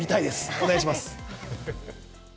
お願いします。